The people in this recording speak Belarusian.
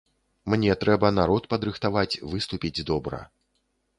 Мне трэба народ падрыхтаваць, выступіць добра.